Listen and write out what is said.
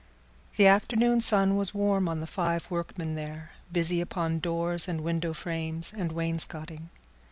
The afternoon sun was warm on the five workmen there, busy upon doors and window frames and wainscoting.